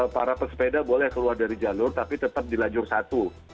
para pesepeda boleh keluar dari jalur tapi tetap di lajur satu